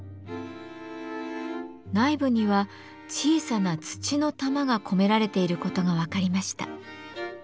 内部には小さな土の玉が込められていることが分かりました。